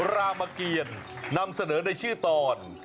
รามเกียรนำเสนอในชื่อตอน